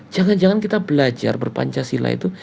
jangan jangan kita belajar berpancasila itu